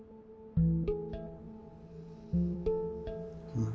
うん。